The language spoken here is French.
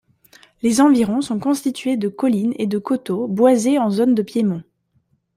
Les environs sont constitués de collines et de coteaux boisés en zone de piémont.